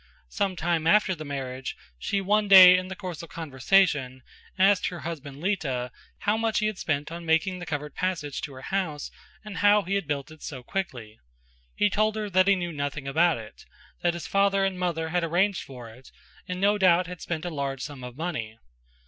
Some time after the marriage she one day in the course of conversation asked her husband Lita how much he had spent on making the covered passage to her house and how he had built it so quickly. He told her that he knew nothing about it; that his father and mother had arranged for it and no doubt had spent a large sum of money.